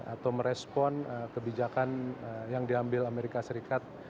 atau merespon kebijakan yang diambil amerika serikat